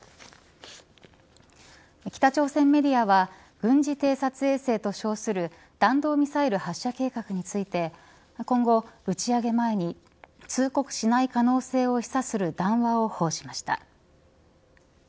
北朝鮮メディアは軍事偵察衛星と称する弾道ミサイル発射計画について今後、打ち上げ前に通告しない可能性を示唆する談話を報じました。